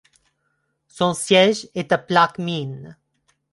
Son siège est à Plaquemine.